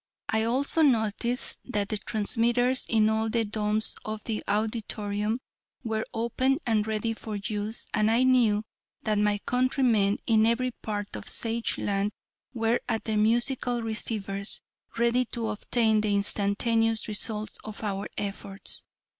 I also noticed that the transmitters in all of the domes of the auditorium were open and ready for use and I knew that my countrymen in every part of Sageland were at their musical receivers ready to obtain the instantaneous results of our efforts.